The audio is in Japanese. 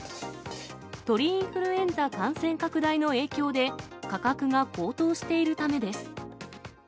鳥インフルエンザ感染拡大の影響で、価格が高騰しているためです。